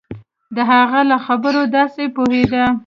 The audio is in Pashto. د هغوی له خبرو داسې پوهېده.